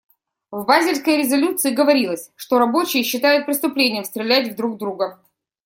В базельской резолюции говорилось, что рабочие считают преступлением стрелять друг в друга.